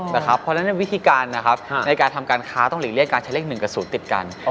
เพราะฉะนั้นวิธีการนะครับในการทำการค้าต้องหลีกเลี่ยการใช้เลข๑กับ๐ติดกัน